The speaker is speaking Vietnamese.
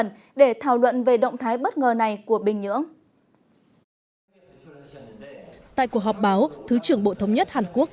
nhờ hơn bảy hiệu số bản thắng